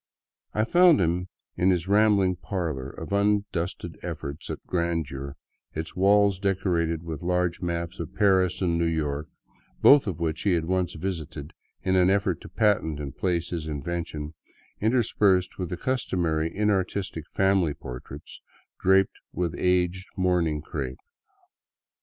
I found him in his rambling parlor, of undusted efforts at grandeur, its walls decorated with large maps of Paris and New York, both of which he had once visited in an effort to patent and place his invention, interspersed with the customary inartistic family portraits draped with aged mourning crepe.